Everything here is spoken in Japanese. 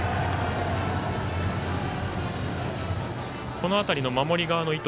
この辺りの守り側の意図